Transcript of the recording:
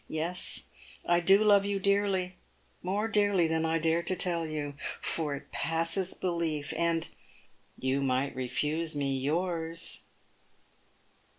Yes, I do love you dearly — more dearly than I dare to tell you, for it passes belief, and you might refuse me yours."